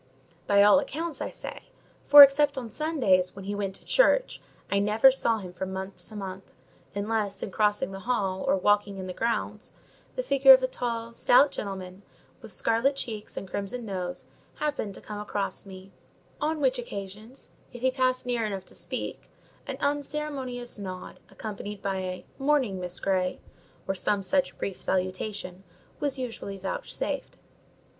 By all accounts, I say; for, except on Sundays, when he went to church, I never saw him from month to month: unless, in crossing the hall or walking in the grounds, the figure of a tall, stout gentleman, with scarlet cheeks and crimson nose, happened to come across me; on which occasions, if he passed near enough to speak, an unceremonious nod, accompanied by a "Morning, Miss Grey," or some such brief salutation, was usually vouchsafed.